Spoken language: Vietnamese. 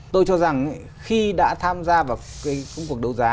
tôi cho rằng khi đã tham gia vào công cuộc đấu giá